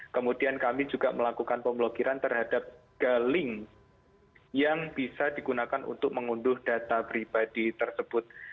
kemudian kami juga melakukan pemblokiran terhadap galink yang bisa digunakan untuk mengunduh data pribadi tersebut